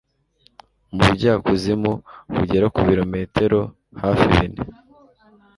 mu bujyakuzimu bugera ku birometero hafi bine.